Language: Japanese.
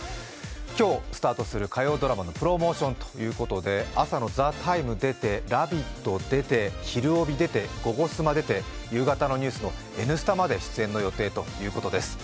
今日スタートする火曜ドラマのプロモーションということで、朝の「ＴＨＥＴＩＭＥ，」に出て「ラヴィット！」に出て「ひるおび」出て、「ゴゴスマ」出て、夕方のニュースの「Ｎスタ」まで出演の予定ということです。